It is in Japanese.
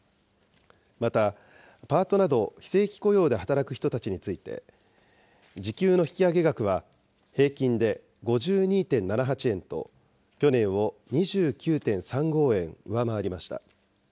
また、パートなど非正規雇用で働く人たちについて、時給の引き上げ額は、平均で５２．７８円と、去年を２９．３５円上回りました。